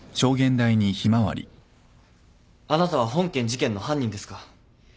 あなたは本件事件の犯人ですか？